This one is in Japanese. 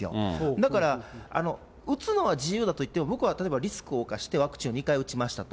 だから、打つのは自由だといっても、僕は例えば、リスクを冒して、ワクチンを２回打ちましたと。